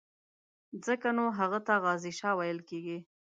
ځکه نو هغه ته غازي شاه ویل کېږي.